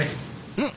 うん？